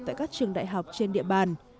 tại các trường đại học trên địa bàn